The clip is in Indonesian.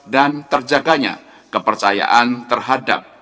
dan terjaganya kepercayaan terhadap pemerintah